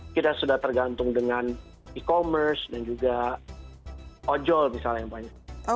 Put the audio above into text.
kita sudah tergantung dengan e commerce dan juga ojol misalnya yang banyak